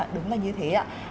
đúng là như thế ạ